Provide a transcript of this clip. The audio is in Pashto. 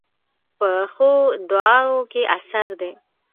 پخو دعاوو کې اثر وي